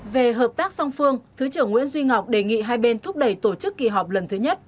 về hợp tác song phương thứ trưởng nguyễn duy ngọc đề nghị hai bên thúc đẩy tổ chức kỳ họp lần thứ nhất